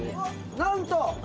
なんと！